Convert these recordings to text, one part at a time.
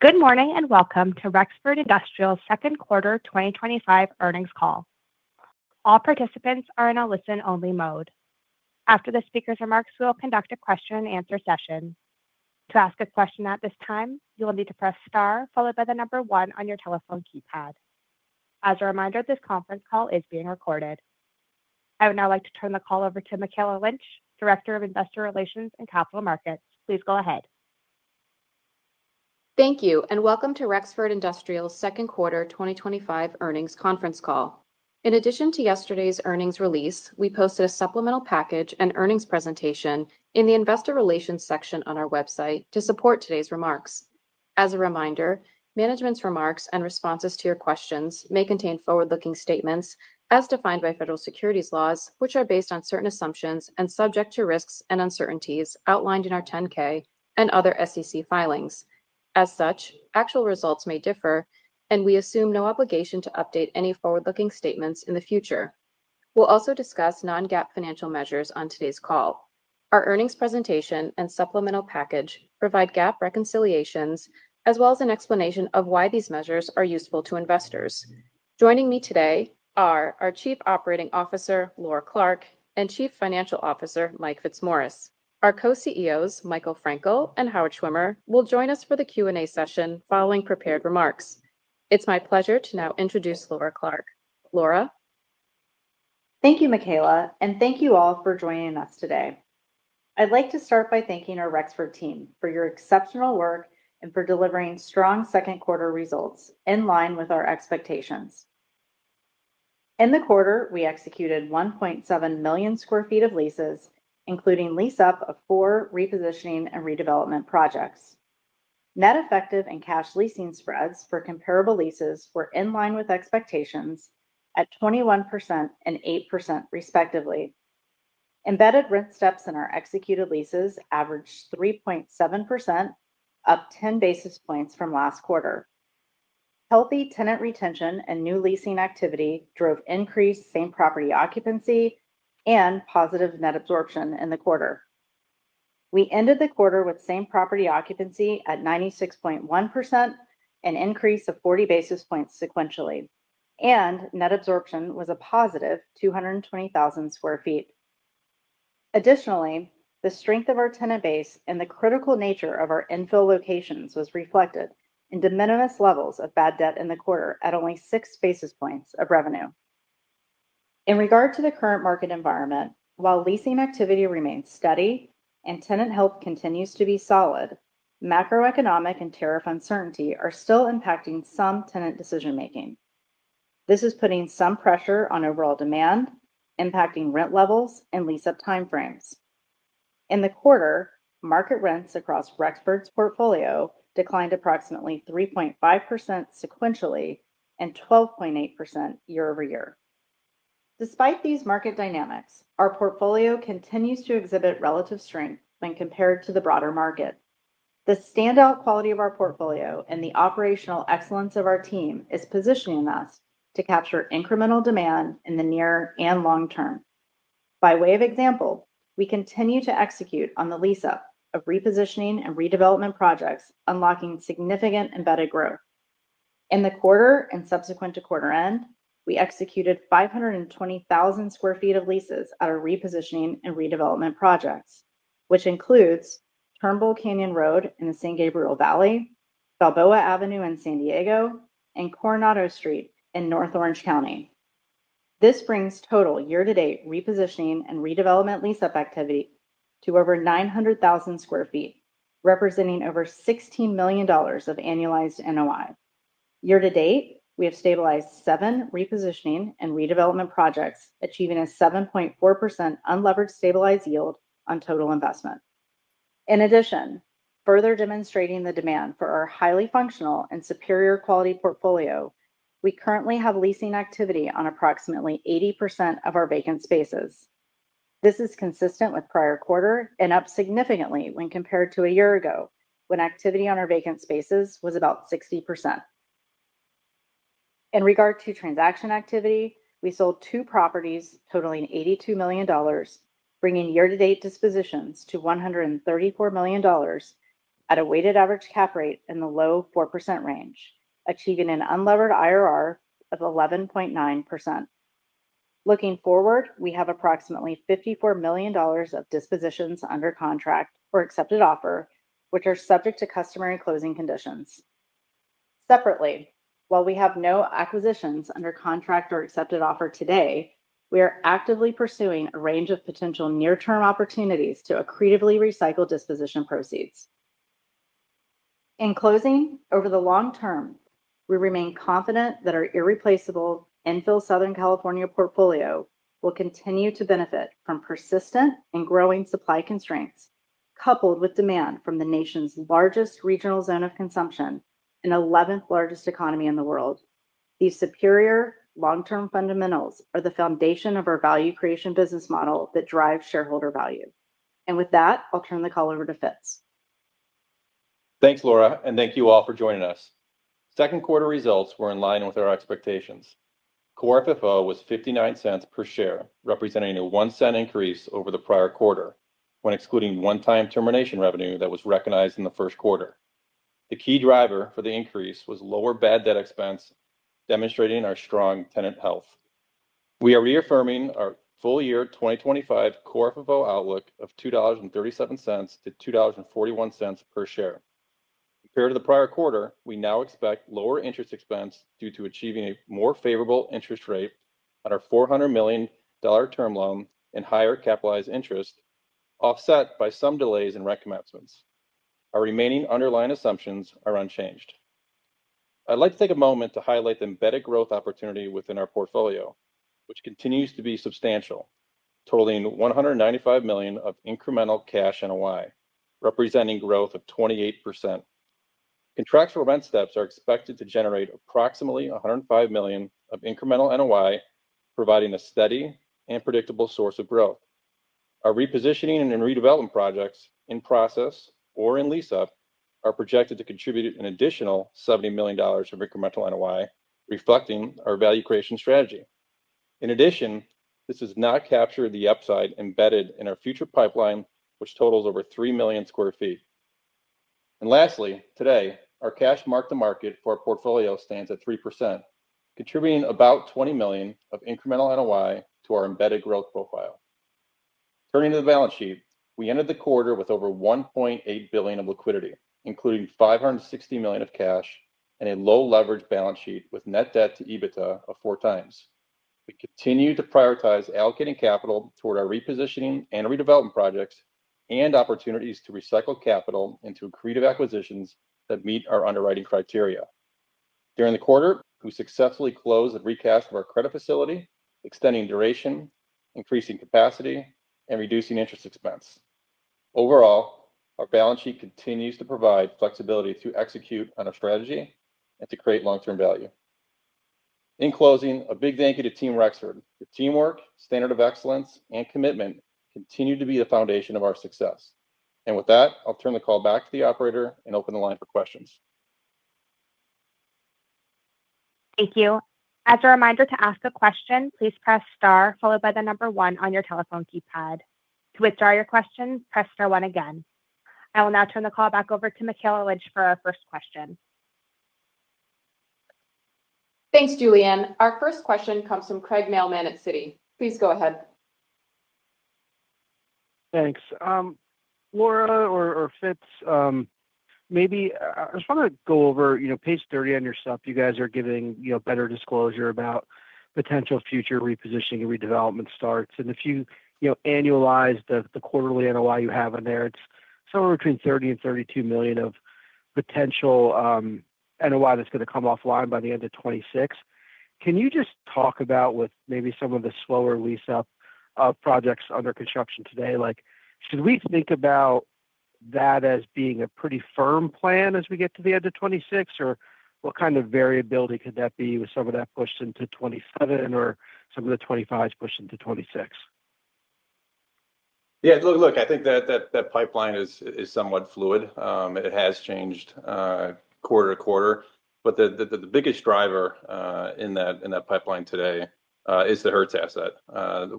Good morning and welcome to Rexford Industrial second quarter 2025 earnings call. All participants are in a listen-only mode. After the speakers' remarks, we will conduct a question and answer session. To ask a question at this time, you will need to press STAR followed by the number one on your telephone keypad. As a reminder, this conference call is being recorded. I would now like to turn the call over to Mikayla Lynch, Director of Investor Relations and Capital Markets. Please go ahead. Thank you and welcome to Rexford Industrial second quarter 2025 earnings conference call. In addition to yesterday's earnings release, we posted a supplemental package and earnings presentation in the Investor Relations section on our website to support today's remarks. As a reminder, management's remarks and responses to your questions may contain forward-looking statements as defined by federal securities laws, which are based on certain assumptions and subject to risks and uncertainties outlined in our 10-K and other SEC filings. As such, actual results may differ, and we assume no obligation to update any forward-looking statements in the future. We'll also discuss non-GAAP financial measures on today's call. Our earnings presentation and supplemental package provide GAAP reconciliations as well as an explanation of why these measures are useful to investors. Joining me today are our Chief Operating Officer, Laura Clark, and Chief Financial Officer, Mike Fitzmaurice. Our Co-Chief Executive Officers, Michael Frankel and Howard Schwimmer, will join us for the Q&A session following prepared remarks. It's my pleasure to now introduce Laura Clark. Laura? Thank you Mikayla, and thank you all for joining us today. I'd like to start by thanking our Rexford team for your exceptional work and for delivering strong second quarter results in line with our expectations. In the quarter, we executed 1.7 million sq ft of leases, including lease up of four repositioning and redevelopment projects. Net effective and cash leasing spreads for comparable leases were in line with expectations at 21% and 8%, respectively. Embedded rent steps in our executed leases averaged 3.7%, up 10 basis points from last quarter. Healthy tenant retention and new leasing activity drove increased same property occupancy and positive net absorption in the quarter. We ended the quarter with same property occupancy at 96.1%, an increase of 40 basis points sequentially, and net absorption was a positive 220,000 sq ft. Additionally, the strength of our tenant base and the critical nature of our infill locations was reflected in de minimis levels of bad debt in the quarter at only 6 basis points of revenue. In regard to the current market environment, while leasing activity remains steady and tenant health continues to be solid, macroeconomic and tariff uncertainty are still impacting some tenant decision making. This is putting some pressure on overall demand, impacting rent levels and lease up timeframes. In the quarter, market rents across Rexford's portfolio declined approximately 3.5% sequentially and 12.8% year over year. Despite these market dynamics, our portfolio continues to exhibit relative strength when compared to the broader market. The standout quality of our portfolio and the operational excellence of our team is positioning us to capture incremental demand in the near and long term. By way of example, we continue to execute on the lease up of repositioning and redevelopment projects, unlocking significant embedded growth. In the quarter and subsequent to quarter end, we executed 520,000 sq ft of leases at our repositioning and redevelopment projects, which includes Turnbull Canyon Road in the San Gabriel Valley, Balboa Avenue in San Diego, and Coronado Street in north Orange County. This brings total year to date repositioning and redevelopment lease up activity to over 900,000 sq ft, representing over $16 million of annualized NOI. Year to date, we have stabilized seven repositioning and redevelopment projects, achieving a 7.4% unlevered stabilized yield on total investment. In addition, further demonstrating the demand for our highly functional and superior quality portfolio, we currently have leasing activity on approximately 80% of our vacant spaces. This is consistent with prior quarter and up significantly when compared to a year ago when activity on our vacant spaces was about 60%. In regard to transaction activity, we sold 2 properties totaling $82 million, bringing year to date dispositions to $134 million at a weighted average cap rate in the low 4% range, achieving an unlevered IRR of 11.9%. Looking forward, we have approximately $54 million of dispositions under contract or accepted offer, which are subject to customary closing conditions. Separately, while we have no acquisitions under contract or accepted offer today, we are actively pursuing a range of potential near term opportunities to accretively recycle disposition proceeds. In closing, over the long term, we remain confident that our irreplaceable infill Southern California portfolio will continue to benefit from persistent and growing supply constraints coupled with demand from the nation's largest regional zone of consumption and 11th largest economy in the world. These superior long term fundamentals are the foundation of our value creation business model that drives shareholder value, and with that I'll turn the call over to Fitz. Thanks, Laura, and thank you all for joining us. Second quarter results were in line with our expectations. Core FFO was $0.59 per share, representing a $0.01 increase over the prior quarter. When excluding one-time termination revenue that was recognized in the first quarter, the key driver for the increase was lower bad debt expense. Demonstrating our strong tenant health, we are reaffirming our full year 2025 core FFO outlook of $2.37 to $2.41 per share. Compared to the prior quarter, we now expect lower interest expense due to achieving a more favorable interest rate on our $400 million term loan and higher capitalized interest, offset by some delays in recommencements. Our remaining underlying assumptions are unchanged. I'd like to take a moment to highlight the embedded growth opportunity within our portfolio, which continues to be substantial, totaling $195 million of incremental cash NOI, representing growth of 28%. Contractual rent steps are expected to generate approximately $105 million of incremental NOI, providing a steady and predictable source of growth. Our repositioning and redevelopment projects in process or in lease-up are projected to contribute an additional $70 million of incremental NOI, reflecting our value creation strategy. In addition, this does not capture the upside embedded in our future pipeline, which totals over 3 million sq ft. Lastly, today our cash mark-to-market for our portfolio stands at 3%, contributing about $20 million of incremental NOI to our embedded growth profile. Turning to the balance sheet, we ended the quarter with over $1.8 billion of liquidity, including $560 million of cash and a low leverage balance sheet with net debt to EBITDA of four times. We continue to prioritize allocating capital toward our repositioning and redevelopment projects and opportunities to recycle capital into accretive acquisitions that meet our underwriting criteria. During the quarter, we successfully closed the recast of our credit facility, extending duration, increasing capacity, and reducing interest expense. Overall, our balance sheet continues to provide flexibility to execute on our strategy and to create long-term value. In closing, a big thank you to Team Rexford. Your teamwork, standard of excellence, and commitment continue to be the foundation of our success. With that, I'll turn the call back to the operator and open the line for questions. Thank you. As a reminder to ask a question, please press STAR followed by the number one on your telephone keypad. To withdraw your question, press STAR one again. I will now turn the call back over to Mikayla Lynch for our first question. Thanks, Julian. Our first question comes from Craig Mailman at Citi. Please go ahead. Thanks, Laura or Fitz, maybe I just want to go over, you know, page 30 on your stuff. You guys are giving, you know, better disclosure about potential future repositioning and redevelopment starts. If you annualize the quarterly NOI you have in there, between $30 million and $32 million of potential NOI that's going to come offline by the end of 2026. Can you just talk about, with maybe some of the slower lease-up projects under construction today, should we think about that as being a pretty firm plan as we get to the end of 2026, or what kind of variability could that be with some of that pushed into 2027 or some of the 2025s pushed into 2026? Yeah, look, I think that pipeline is somewhat fluid. It has changed quarter to quarter. The biggest driver in that pipeline today is the Hertz asset,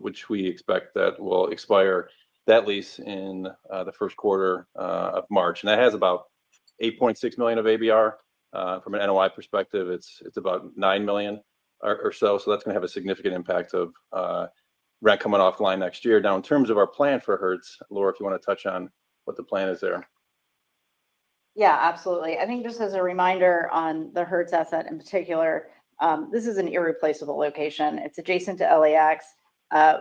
which we expect will expire that lease in the first quarter of March. That has about $8.6 million of ABR. From an NOI perspective, it's about $9 million or so. That's going to have a significant impact of rent coming offline next year. In terms of our plan for Hertz, Laura, if you want to touch on what the plan is there. Yeah, absolutely. I think just as a reminder on the Hertz asset in particular, this is an irreplaceable location. It's adjacent to LAX.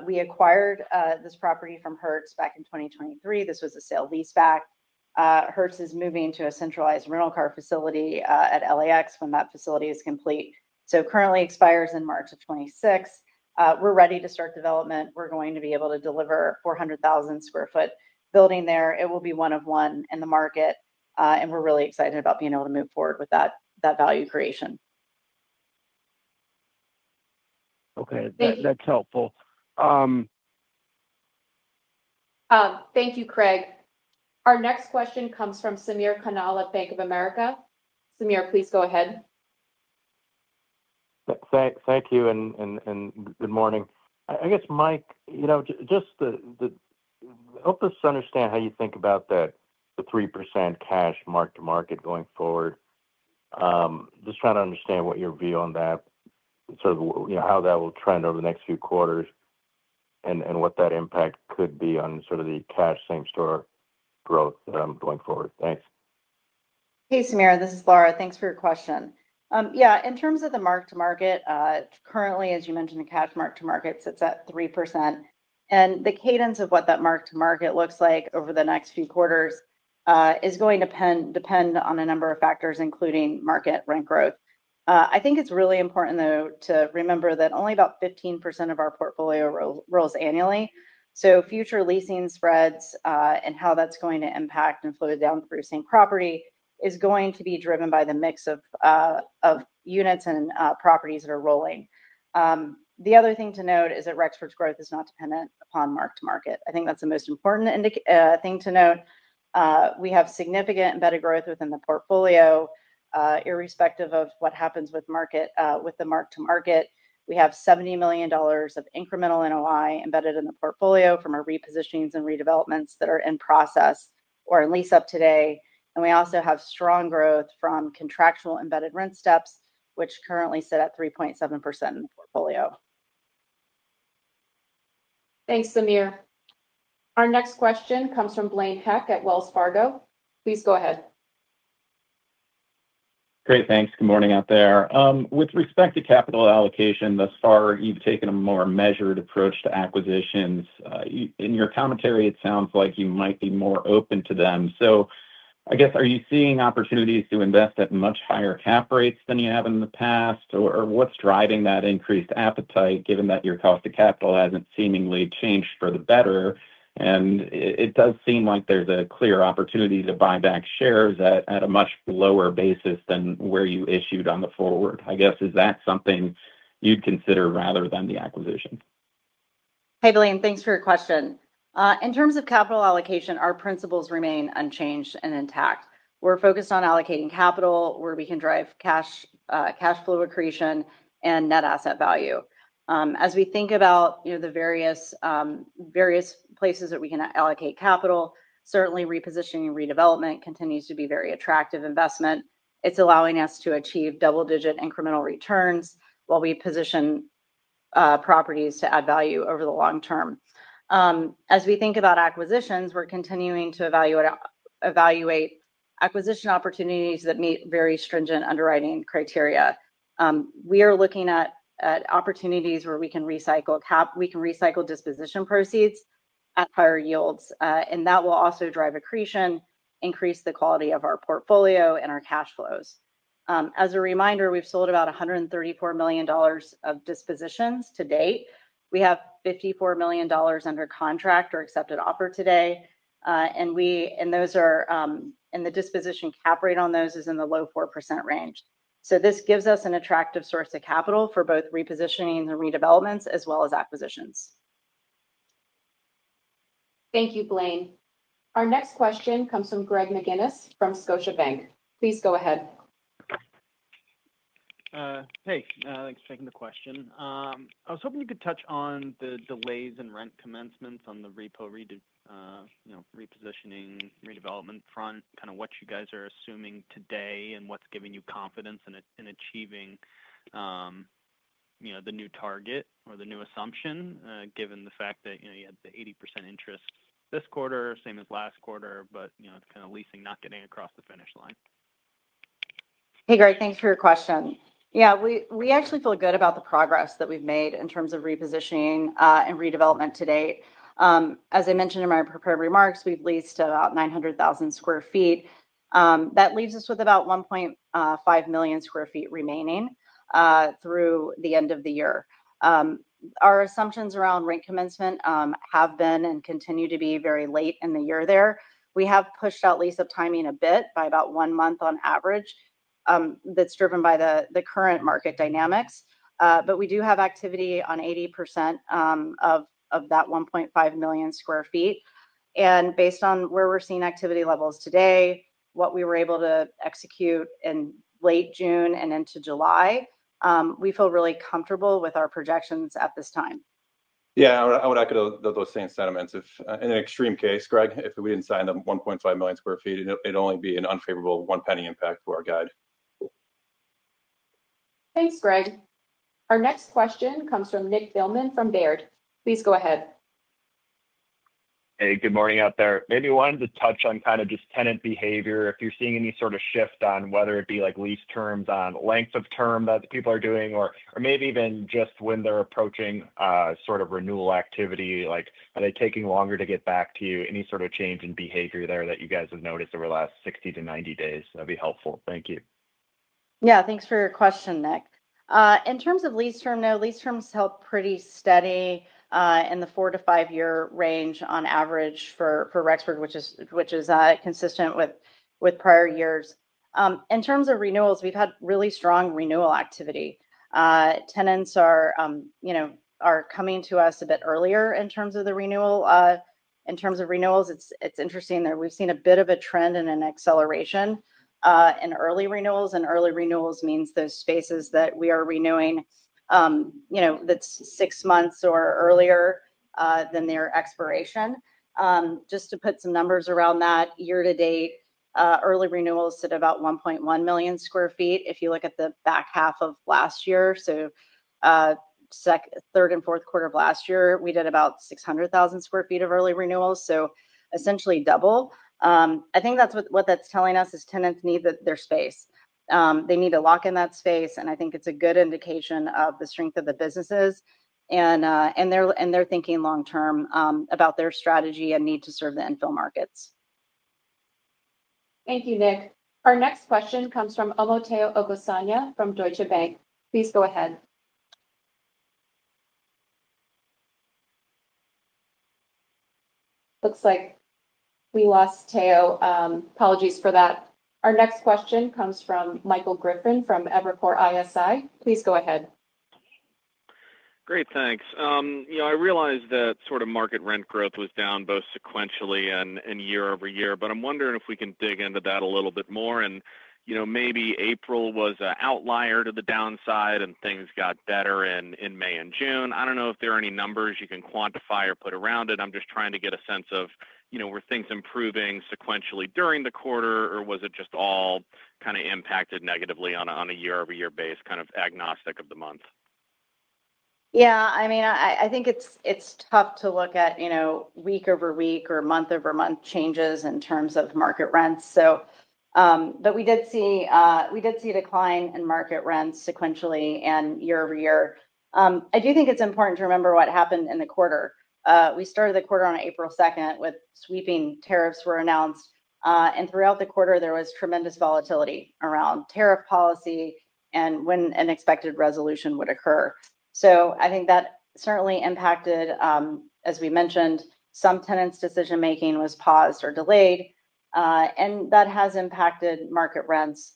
We acquired this property from Hertz back in 2023. This was a sale leaseback. Hertz is moving to a centralized rental car facility at LAX when that facility is complete. The lease currently expires in March of 2026. We're ready to start development. We're going to be able to deliver a 400,000 sq ft building there. It will be one of one in the market and we're really excited about being able to move forward with that value creation. Okay, that's helpful. Thank you, Craig. Our next question comes from Samir Kanal at Bank of America. Samir, please go ahead. Thank you and good morning. Mike, just help us understand how you think about that. The 3% cash mark to market going forward. Just trying to understand what your view on that, how that will trend over the next few quarters and what that impact could be on the cash same store growth going forward? Thanks. Hey Samir, this is Laura. Thanks for your question. Yeah, in terms of the mark to market, currently, as you mentioned, the cash mark to market sits at 3%. The cadence of what that mark to market looks like over the next few quarters is going to depend on a number of factors including market rent growth. I think it's really important though to remember that only about 15% of our portfolio rolls annually. Future leasing spreads and how that's going to impact inflow down through same property is going to be driven by the mix of units and properties that are rolling. The other thing to note is that Rexford's growth is not dependent upon mark to market. I think that's the most important thing to note. We have significant embedded growth within the portfolio irrespective of what happens with market. With the mark to market, we have $70 million of incremental NOI embedded in the portfolio from our repositionings and redevelopments that are in process or at least up today. We also have strong growth from contractual embedded rent steps which currently sit at 3.7% in the portfolio. Thanks, Samir. Our next question comes from Blaine Heck at Wells Fargo. Please go ahead. Great, thanks. Good morning out there. With respect to capital allocation, thus far you've taken a more measured approach to acquisitions. In your commentary, it sounds like you might be more open to them. I guess are you seeing opportunities to invest at much higher cap rates than you have in the past, or what's driving that increased appetite given that your cost of capital hasn't seemingly changed for the better? It does seem like there's a clear opportunity to buy back shares at a much lower basis than where you issued on the forward. I guess is that something you'd consider rather than the acquisition? Hey, Blaine, and thanks for your question. In terms of capital allocation, our principles remain unchanged and intact. We're focused on allocating capital where we can drive cash, cash flow, accretion, and net asset value. As we think about the various places that we can allocate capital, certainly repositioning/redevelopment continues to be a very attractive investment. It's allowing us to achieve double-digit incremental returns while we position properties to add value over the long term. As we think about acquisitions, we're continuing to evaluate acquisition opportunities that meet very stringent underwriting criteria. We are looking at opportunities where we can recycle disposition proceeds at higher yields, and that will also drive accretion, increase the quality of our portfolio, and our cash flows. As a reminder, we've sold about $134 million of dispositions to date. We have $54 million under contract or accepted offer today. The disposition cap rate on those is in the low 4% range. This gives us an attractive source of capital for both repositionings and redevelopments as well as acquisitions. Thank you, Blaine. Our next question comes from Greg McGinniss from Scotiabank. Please go ahead. Hey, thanks for taking the question. I was hoping you could touch on the delays and rent commencements on the repositioning/redevelopment front. What you guys are assuming today, and what's giving you confidence in achieving the new target or the new assumption, given the fact that you had the 80% interest this quarter, same as last quarter, but leasing not getting across the finish line? Hey, Greg, thanks for your question. We actually feel good about the progress that we've made in terms of repositioning and redevelopment today. As I mentioned in my prepared remarks, we've leased about 900,000 sq ft. That leaves us with about 1.5 million sq ft remaining through the end of the year. Our assumptions around rent commencement have been and continue to be very late in the year. We have pushed out lease timing a bit by about one month on average. That's driven by the current market dynamics. We do have activity on 80% of that 1.5 million sq ft, and based on where we're seeing activity levels today, what we were able to execute in late June and into July, we feel really comfortable with our projections at this time. Yeah, I would echo those same sentiments in an extreme case, Greg. If we didn't sign them 1.5 million sq ft, it'd only be an unfavorable $0.01 impact for our guide. Thanks, Greg. Our next question comes from Nick Thillman from Baird. Please go ahead. Hey, good morning out there. Maybe we wanted to touch on kind of just tenant behavior. If you're seeing any sort of shift on whether it be like lease terms on length of term that people are doing or maybe even just when they're approaching sort of renewal activity, like are they longer? To get back to you, any sort of change in behavior there that you guys have noticed over the last 60 to 90 days, that'd be helpful, thank you. Yeah, thanks for your question, Nick. In terms of lease term, lease terms held pretty steady in the four to five year range on average for Rexford, which is consistent with prior years. In terms of renewals, we've had really strong renewal activity. Tenants are coming to us a bit earlier in terms of the renewal. In terms of renewals, it's interesting that we've seen a bit of a trend and an acceleration in early renewals. Early renewals means those spaces that we are renewing six months or earlier than their expiration. Just to put some numbers around that, year to date, early renewals at about 1.1 million sq ft. If you look at the back half of last year, third and fourth quarter of last year we did about 600,000 sq ft of early renewals, essentially double. I think what that's telling us is tenants need their space, they need to lock in that space. I think it's a good indication of the strength of the businesses and they're thinking long term about their strategy and need to serve the infill markets. Thank you, Nick. Our next question comes from Omotayo Okusansya from Deutsche Bank. Please go ahead. Looks like we lost Tayo. Apologies for that. Our next question comes from Michael Griffin from Evercore ISI. Please go ahead. Great, thanks. I realized that sort of market rent growth was down both sequentially and year over year. I'm wondering if we can dig into that a little bit more. Maybe April was an outlier to the downside and things got better in May and June. I don't know if there are any numbers you can quantify or put around it. I'm just trying to get a sense of whether things were improving sequentially during the quarter or if it was all kind of impacted negatively on a year over year basis, kind of agnostic of the month. Yeah, I mean, I think it's tough to look at week over week or month over month changes in terms of market rents. We did see a decline in market rents sequentially and year over year. I do think it's important to remember what happened in the quarter. We started the quarter on April 2 with sweeping tariffs were announced, and throughout the quarter there was tremendous volatility around tariff policy and when an expected resolution would occur. I think that certainly impacted, as we mentioned, some tenants' decision making was paused or delayed, and that has impacted market rents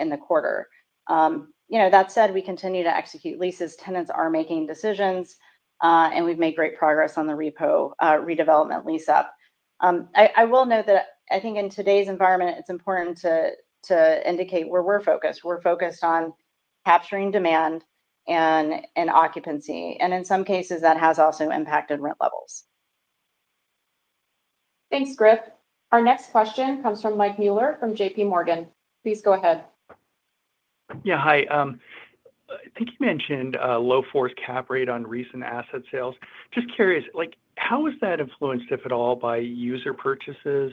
in the quarter. That said, we continue to execute leases, tenants are making decisions, and we've made great progress on the repo redevelopment lease up. I will note that I think in today's environment it's important to indicate where we're focused. We're focused on capturing demand and occupancy, and in some cases that has also impacted rent levels. Thanks, Griff. Our next question comes from Mike Mueller from JPMorgan. Please go ahead. Yeah, hi. I think you mentioned low 4% cap rate on recent asset sales, just curious, like how is that influenced, if at all, by user purchases?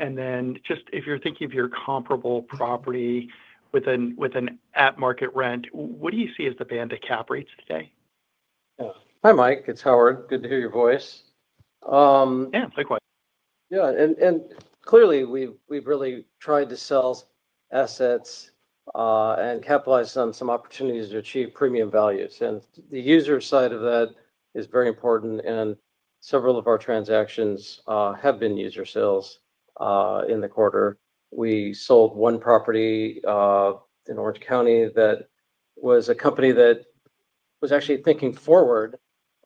If you're thinking of your comparable property with an at-market rent, what do you see as the band of cap rates today? Hi Mike, it's Howard. Good to hear your voice. Yeah, yeah. Clearly, we have really tried to sell assets and capitalize on some opportunities to achieve premium values. The user side of that is very important, and several of our transactions have been user sales. In the quarter, we sold one property in north Orange County that was a company that was actually thinking forward.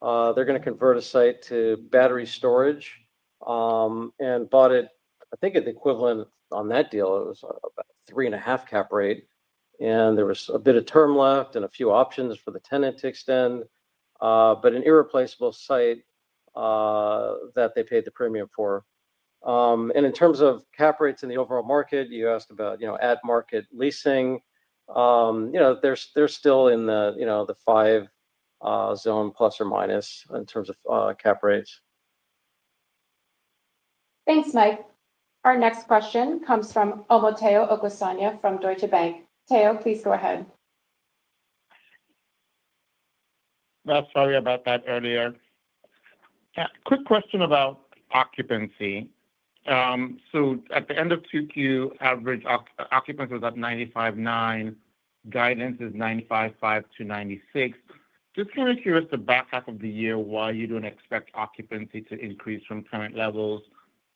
They're going to convert a site to battery storage and bought it. I think at the equivalent on that deal, it was about a 3.5% cap rate, and there was a bit of term left and a few options for the tenant to extend, but an irreplaceable site that they paid the premium for. In terms of cap rates in the overall market you asked about, at market leasing, they're still in the 5% zone, plus or minus, in terms of cap rates. Thanks, Mike. Our next question comes from Omotayo Okusanya from Deutsche Bank. Please go ahead. Sorry about that earlier. Quick question about occupancy. At the end of Q2, average occupancy was at 95.9%. Guidance is 95.5% to 96%. Just kind of curious, the back half of the year, why you don't expect occupancy to increase from current levels.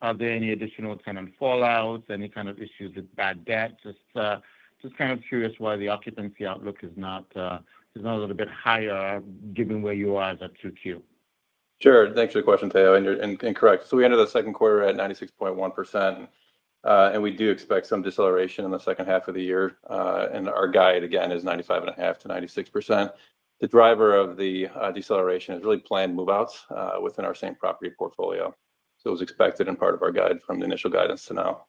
Are there any additional tenant fallouts, any kind of issues with bad debt? Just kind of curious why the occupancy outlook is not a little bit higher given where you are as of Q2. Sure. Thanks for the question, Tayo. You're incorrect. We entered the second quarter at 96.1% and we do expect some deceleration in the second half of the year. Our guide again is 95.5% to 96%. The driver of the deceleration is really planned move outs within our same property portfolio. It was expected and part of our guide from the initial guidance to now.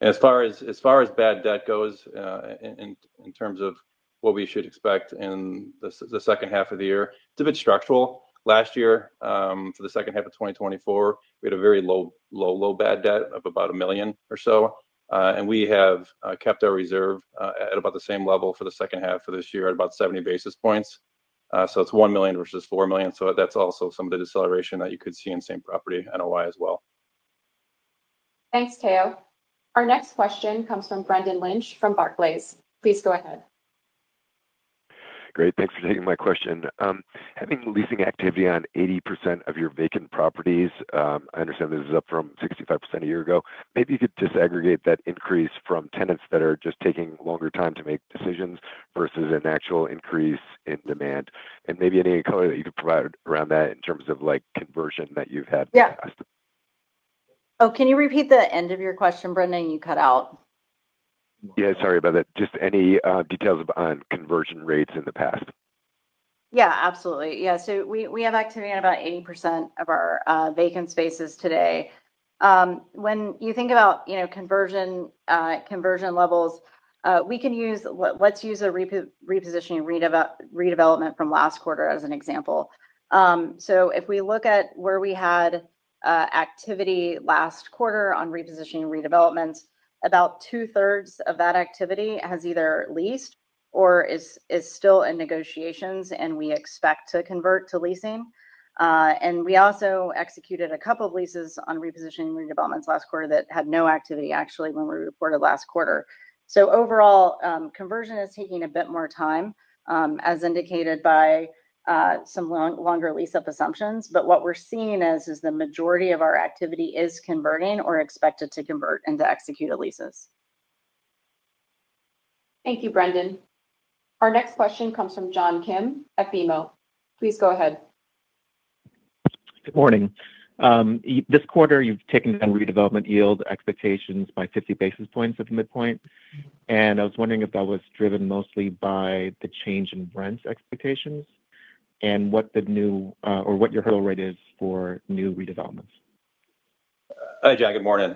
As far as bad debt goes in terms of what we should expect in the second half of the year, it's a bit structural. Last year for the second half of 2024, we had a very low bad debt of about $1 million or so. We have kept our reserve at about the same level for the second half of this year at about 70 basis points. It's $1 million versus $4 million. That's also some of the deceleration that you could see in same property NOI as well. Thanks, Tayo. Our next question comes from Brendan Lynch from Barclays. Please go ahead. Great. Thanks for taking my question. Having leasing activity on 80% of your vacant properties, I understand this is up from 65%. Maybe you could disaggregate that increase from tenants that are just taking longer time to make decisions versus an actual increase in demand, and maybe any color that you could provide around that in terms of like conversion that you've had. Oh, can you repeat the end of your question, Brendan? You cut out. Sorry about that. Just any details on conversion rates in the past? Yeah, absolutely. We have activity in about 80% of our vacant spaces today. When you think about conversion levels, we can use a repositioning/redevelopment from last quarter as an example. If we look at where we had activity last quarter on repositioning/redevelopment projects, about two thirds of that activity has either leased or is still in negotiations, and we expect to convert to leasing. We also executed a couple of leases on repositioning/redevelopment projects last quarter that had no activity when we reported last quarter. Overall, conversion is taking a bit more time, as indicated by some longer lease up assumptions. What we're seeing is the majority of our activity is converting or expected to convert and to execute leases. Thank you, Brendan. Our next question comes from John Kim at BMO. Please go ahead. Good morning. This quarter you've taken down redevelopment yield expectations by 50 basis points at the midpoint. I was wondering if that was driven mostly by the change in rent expectations and what the new or what your hurdle rate is for new redevelopments. Hi John. Good morning.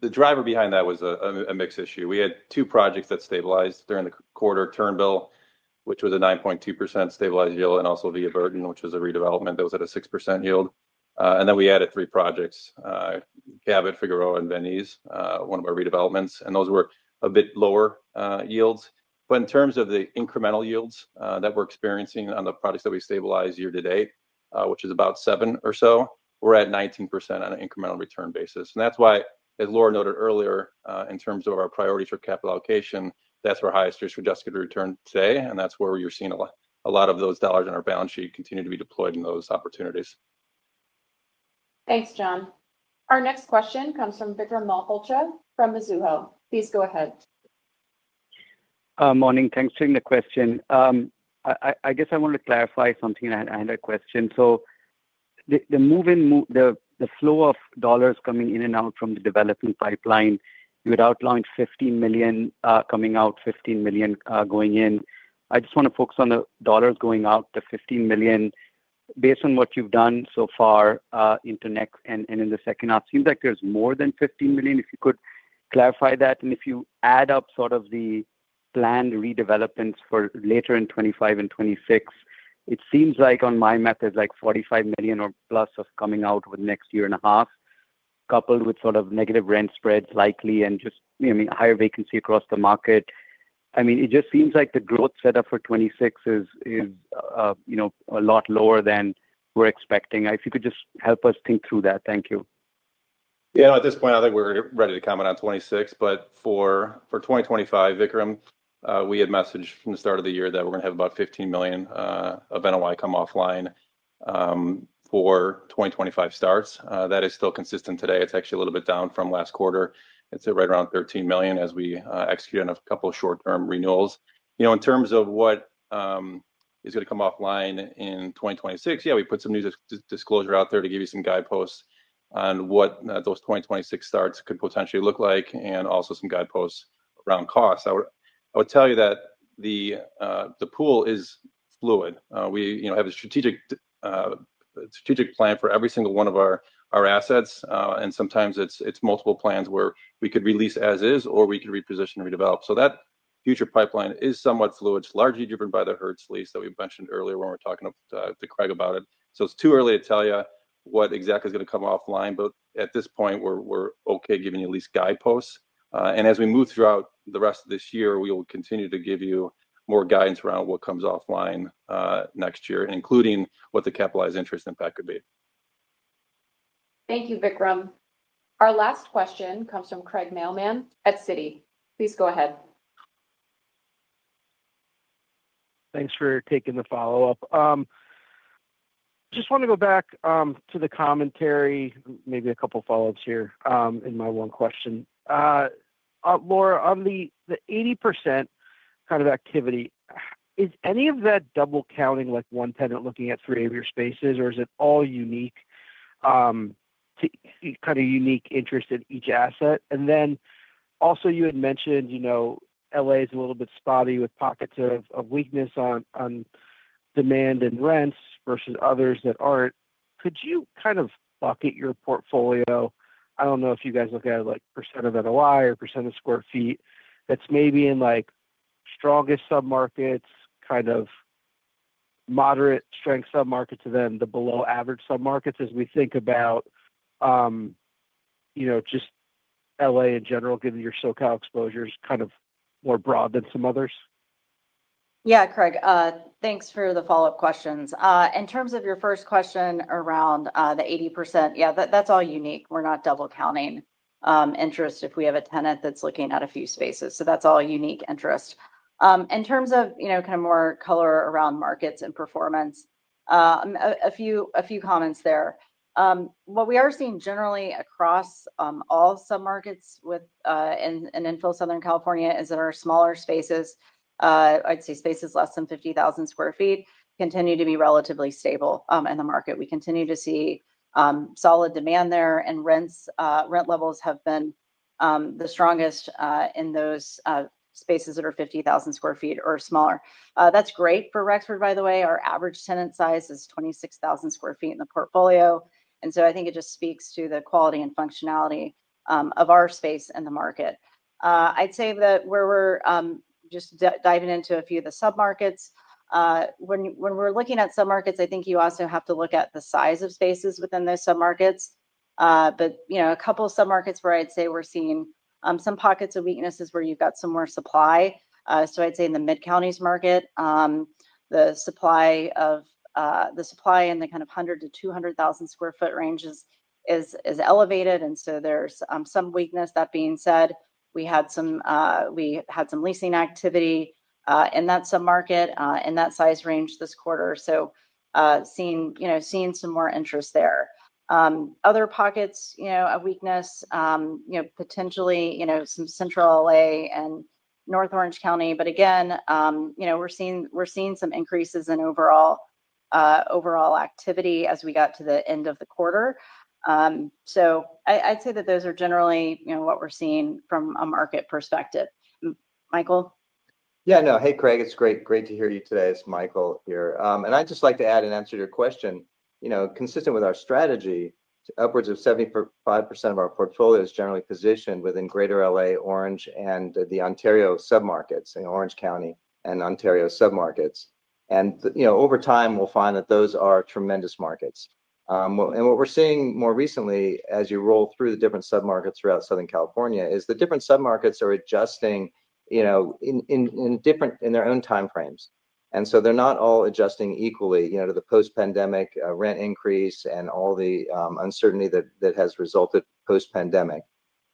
The driver behind that was a mixed issue. We had two projects that stabilized during the quarter, Turnbull, which was a 9.2% stabilized yield, and also Via Burton, which was a redevelopment that was at a 6% yield. We added three projects, Gabbett, Figueroa, and Venice, one of our redevelopments, and those were a bit lower yields. In terms of the incremental yields that we're experiencing on the projects that we stabilize year to date, which is about seven or so, we're at 19% on an incremental return basis. That is why, as Laura noted earlier, in terms of our priorities for capital allocation, that's where highest risk-adjusted return is today. That is where you're seeing a lot of those dollars in our balance sheet continue to be deployed in those opportunities. Thanks, John. Our next question comes from Vikram Malhotra from Mizuho. Please go ahead. Morning. Thanks for the question. I wanted to clarify something. I had a question. The moving, the flow of dollars coming in and out from the development pipeline, you would outline $15 million coming out, $15 million going in. I just want to focus on the dollars going out, the $15 million based on what you've done so far into next and in the second half. It seems like there's more than $15 million. If you could clarify that. If you add up the planned redevelopments for later in 2025 and 2026, it seems like on my method, like $45 million or plus coming out with next year and a half, coupled with negative rent spreads likely and just higher vacancy across the market. It just seems like the growth set up for 2026 is a lot lower than we're expecting. If you could just help us think through that? Thank you. At this point I think we're ready to comment on 2026, but for 2025, Vikram, we had messaged from the start of the year that we're going to have about $15 million event come offline for 2025 starts. That is still consistent today. It's actually a little bit down from last quarter. It's right around $13 million as we execute on a couple short-term renewals. In terms of what is going to come offline in 2026, we put some new disclosure out there to give you some guideposts on what those 2026 starts could potentially look like, and also some guideposts around costs. I would tell you that the pool is fluid. We have a strategic plan for every single one of our assets, and sometimes it's multiple plans where we could release as is or we could reposition, redevelop. That future pipeline is somewhat fluid. It's largely driven by the Hertz lease that we mentioned earlier when we were talking to Craig about it. It's too early to tell you what exactly is going to come offline, but at this point we're okay giving you at least guideposts. As we move throughout the rest of this year, we will continue to give you more guidance around what comes offline next year, including what the capitalized interest impact could be. Thank you, Vikram. Our last question comes from Craig Mailman at Citi. Please go ahead. Thanks for taking the follow up. Just want to go back to the commentary. Maybe a couple follow ups here in my one question, Laura, on the 80% kind of activity. Is any of that double counting, like one tenant looking at three of your spaces, or is it all unique, kind of unique interest in each asset? Also, you had mentioned, you know, LA is a little bit spotty with pockets of weakness on demand and rents versus others that aren't. Could you kind of bucket your portfolio? I don't know if you guys look at it like % of NOI or % of sq ft, that's maybe in like strongest submarkets, kind of moderate strength submarket to then the below average submarkets as we think about, you know, just LA in general given your SoCal exposures, kind of more broad than some others? Yeah, Craig, thanks for the follow up questions. In terms of your first question around the 80%, that's all unique. We're not double counting interest if we have a tenant that's looking at a few spaces. That's all unique interest. In terms of, you know, kind of more color around markets and performance, a few comments there. What we are seeing generally across all submarkets within infill Southern California is in our smaller spaces, I'd say spaces less than 50,000 sq ft continue to be relatively stable in the market. We continue to see solid demand there, and rent levels have been the strongest in those spaces that are 50,000 sq ft or smaller. That's great for Rexford. By the way, our average tenant size is 26,000 sq ft in the portfolio, and so I think it just speaks to the quality and functionality of our space in the market. I'd say that when we're just diving into a few of the submarkets, when we're looking at submarkets, I think you also have to look at the size of spaces within those submarkets. You know, a couple submarkets where I'd say we're seeing some pockets of weakness is where you've got some more supply. I'd say in the mid-counties market, the supply in the kind of 100,000 to 200,000 sq ft ranges is elevated, and so there's some weakness. That being said, we had some leasing activity in that submarket in that size range this quarter, seeing some more interest there. Other pockets of weakness potentially are central LA and north Orange County. Again, we're seeing some increases in overall activity as we got to the end of the quarter. I'd say that those are generally what we're seeing from a market perspective. Michael? Yeah, no, hey Craig, it's great, great to hear you today. It's Michael here and I'd just like to add an answer to your question. You know, consistent with our strategy, upwards of 75% of our portfolio is generally positioned within Greater LA, Orange, and the Ontario submarkets. You know, over time we'll find that those are tremendous markets. What we're seeing more recently as you roll through the different submarkets throughout Southern California is the different submarkets are adjusting in their own timeframes. They're not all adjusting equally to the post-pandemic rent increase and all the uncertainty that has resulted post-pandemic.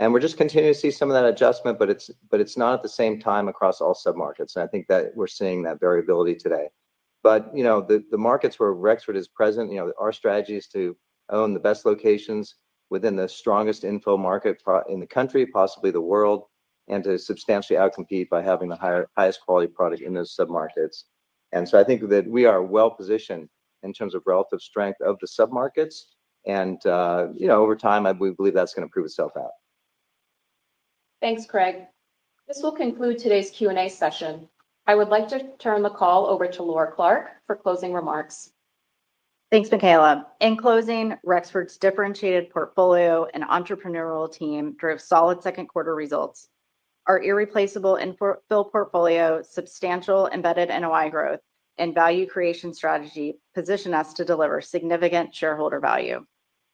We're just continuing to see some of that adjustment. It's not at the same time across all submarkets, and I think that we're seeing that variability today. The markets where Rexford Industrial Realty, Inc. is present, our strategy is to own the best locations within the strongest infill market in the country, possibly the world, and to substantially outcompete by having the highest quality product in those submarkets. I think that we are well positioned in terms of relative strength of the submarkets. Over time we believe that's going to prove itself out. Thanks, Craig. This will conclude today's Q&A session. I would like to turn the call over to Laura Clark for closing remarks. Thanks Mikayla. In closing, Rexford Industrial Realty's differentiated portfolio and entrepreneurial team drove solid second quarter results. Our irreplaceable infill portfolio, substantial embedded NOI growth, and value creation strategy position us to deliver significant shareholder value.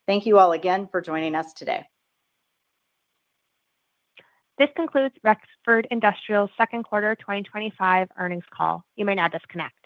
Thank you all again for joining us today. This concludes Rexford Industrial second quarter 2025 earnings call. You may now disconnect.